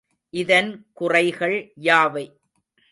இதன் குறைகள் யாவை?